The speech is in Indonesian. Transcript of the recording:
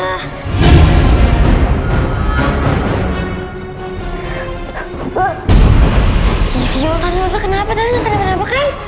yoyol tante tante kenapa tante kenapa kan